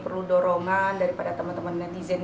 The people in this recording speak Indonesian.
perlu dorongan daripada teman teman netizen